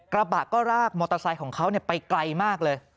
กระบะก็รากมอเตอร์ไซค์ของเขาไปไกลมากเลย